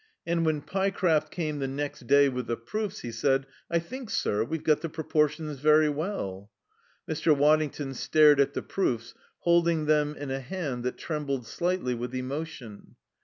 And when Pyecraft came the next day with the proofs he said, "I think, sir, we've got the proportions very well." Mr. Waddington stared at the proofs, holding them in a hand that trembled slightly with emotion.